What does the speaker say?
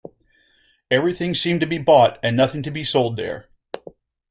Everything seemed to be bought and nothing to be sold there.